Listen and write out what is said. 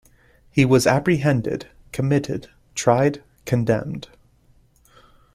He was apprehended — committed — tried — condemned.